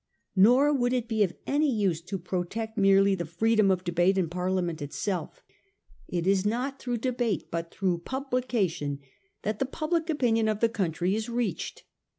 Nor would it be of any use to protect merely the freedom of debate in Parliament itself. It is not through debate, but through publication, that the public opinion of the country is reached.